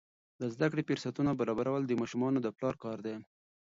د زده کړې فرصتونه برابرول د ماشومانو د پلار کار دی.